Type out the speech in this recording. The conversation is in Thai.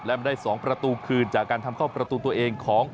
และได้๒ประตูคืนจากการทำเข้าประตูตัวเองของ